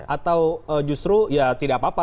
atau justru ya tidak apa apa